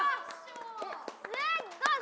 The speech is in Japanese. すっごい！